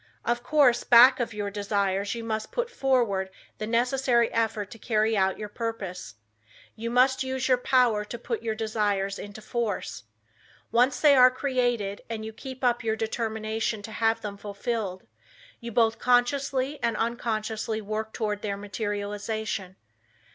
Of course back of your desire you must put forward the necessary effort to carry out your purpose; you must use your power to put your desires into force. Once they are created and you keep up your determination to have them fulfilled you both consciously and unconsciously work toward their materialization.